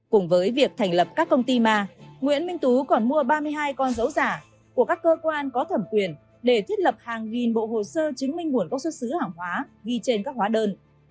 cùng với việc thành lập các công ty ma nguyễn minh tú còn mua ba mươi hai con dấu giả của các cơ quan có thẩm quyền để thiết lập hàng nghìn bộ hồ sơ chứng minh nguồn gốc xuất xứ hàng hóa ghi trên các hóa đơn